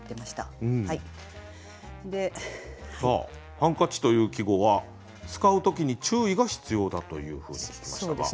「ハンカチ」という季語は使う時に注意が必要だというふうに聞きましたが。